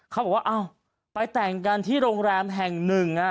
เขาบอกว่าอ้าวไปแต่งกันที่โรงแรมแห่งหนึ่ง